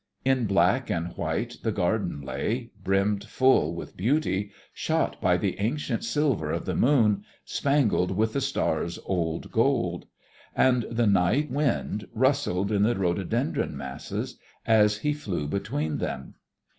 In black and white the garden lay, brimmed full with beauty, shot by the ancient silver of the moon, spangled with the stars' old gold. And the night wind rustled in the rhododendron masses as he flew between them.